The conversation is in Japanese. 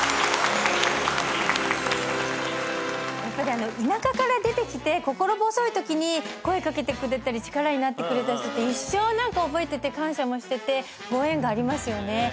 やっぱり田舎から出てきて心細いときに声掛けてくれたり力になってくれた人って一生覚えてて感謝もしててご縁がありますよね。